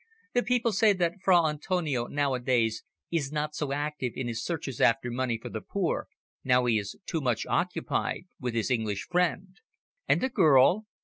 The people say that Fra Antonio nowadays is not so active in his searches after money for the poor now he is too much occupied with his English friend." "And the girl?"